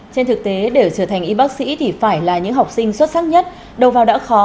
trên thực tế để trở thành y bác sĩ thì phải là những học sinh xuất sắc nhất đầu vào đã khó